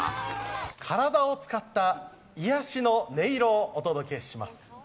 体を使った癒やしの音色をお届けします。